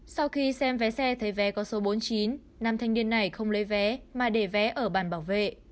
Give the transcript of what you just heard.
sau khi xem vé xe thấy vé có số bốn mươi chín nam thanh niên này không lấy vé mà để vé ở bàn bảo vệ